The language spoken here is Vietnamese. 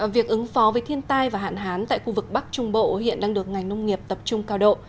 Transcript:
việc ứng phó với thiên tai và hạn hán tại khu vực bắc trung bộ hiện đang được ngành nông nghiệp tập trung cao độ